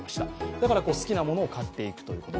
だから好きなものを買っていくということ。